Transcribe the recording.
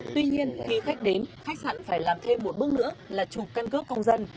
tuy nhiên khi khách đến khách sạn phải làm thêm một bước nữa là chụp căn cước công dân